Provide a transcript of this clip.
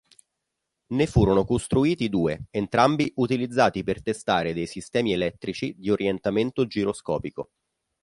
Ne furono costruiti due, entrambi utilizzati per testare dei sistemi elettrici di orientamento giroscopico.